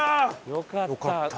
よかった！